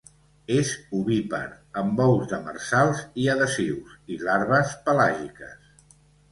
És ovípar amb ous demersals i adhesius, i larves pelàgiques.